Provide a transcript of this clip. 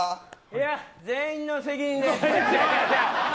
いや、全員の責任です。